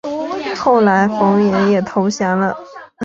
后来冯衍也投降了。